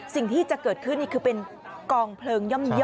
สิ่งที่จะเกิดขึ้นนี่คือเป็นกองเพลิงย่อม